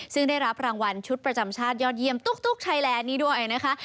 ซึ่งได้รับรางวัลชุดประจำชาติยอดเยี่ยมตุ๊กไทยแลนด์นี้ด้วยนะคะ